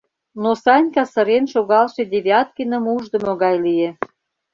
Но Санька сырен шогалше Девяткиным уждымо гай лие.